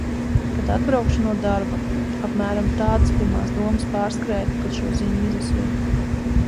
Kad atbraukšu no darba... apmēram tādas pirmās domas pārskrēja, kad šo ziņu izlasīju...